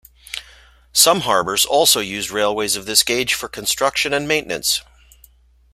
Some harbours also used railways of this gauge for construction and maintenance.